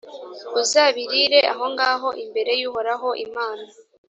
uzabirire aho ngaho imbere y’uhoraho imana